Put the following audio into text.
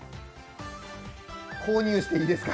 購入していいですか。